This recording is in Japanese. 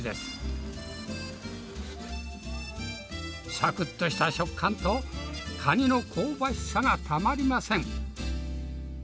サクっとした食感とカニの香ばしさがたまりません。